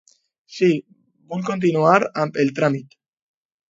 Sí, vull continuar amb el tràmit.